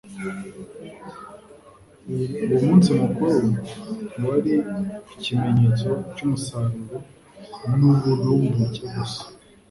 Uwo munsi mukuru ntiwari ikilnenyetso cy'umusaruro n'ubununbuke gusa,